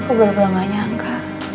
aku belum pernah gak nyangka